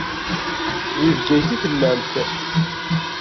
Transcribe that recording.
Deg Bgayet i tellamt.